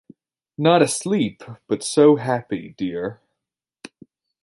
Not asleep, but so happy, dear.